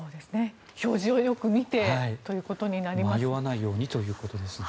表示をよく見てということになりますね。